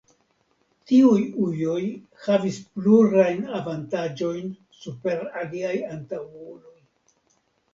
Tiuj ujoj havis plurajn avantaĝojn super siaj antaŭuloj.